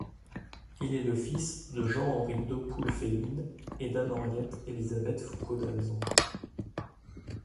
Il est le fils de Jean Henri d'Hautpoul-Félines et d'Anne Henriette Élisabeth Foucaud d'Alzon.